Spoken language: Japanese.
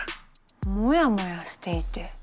モヤモヤしていて。